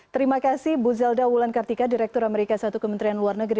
terima kasih bu zelda wulan kartika direktur amerika i kementerian luar negeri